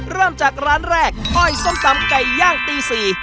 เริ่มจากร้านแรกห้อยส้มตำไก่ย่างตี๔